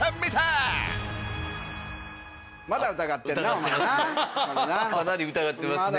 ほらかなり疑ってますね。